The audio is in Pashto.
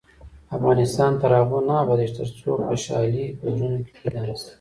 افغانستان تر هغو نه ابادیږي، ترڅو خوشحالي په زړونو کې پیدا نشي.